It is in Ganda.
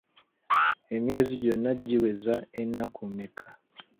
Emyezi gyonna giweza ennaku mmeka?